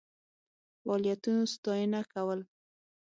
فعالیتونو ستاینه کول.